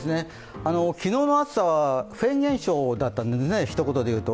昨日の暑さはフェーン現象だったんですね、一言で言うと。